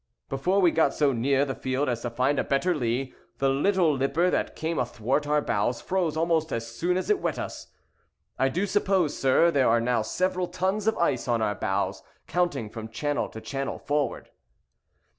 Before we got so near the field as to find a better lee, the little lipper that came athwart our bows froze almost as soon as it wet us. I do suppose, sir, there are now several tons of ice on our bows, counting from channel to channel, forward."